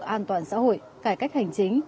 an toàn xã hội cải cách hành chính